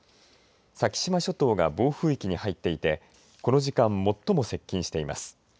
先島諸島が暴風域に入っていてこの時間最も接近しています。